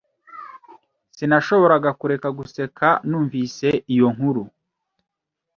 Sinashoboraga kureka guseka numvise iyo nkuru.